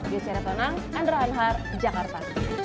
yosyarat tonang andra hanhar jakarta